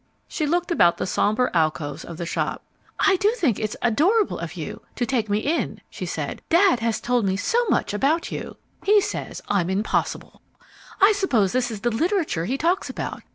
She looked about the sombre alcoves of the shop. "I do think it's adorable of you to take me in," she said. "Dad has told me so much about you. He says I'm impossible. I suppose this is the literature he talks about.